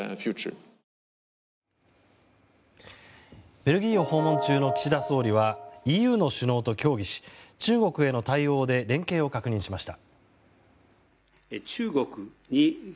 ベルギーを訪問中の岸田総理はＥＵの首脳と協議し中国への対応で連携を確認しました。